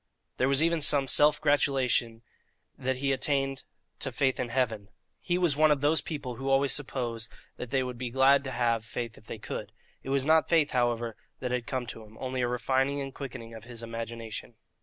There was even some self gratulation that he had attained to faith in Heaven. He was one of those people who always suppose that they would be glad to have faith if they could. It was not faith, however, that had come to him, only a refining and quickening of his imagination.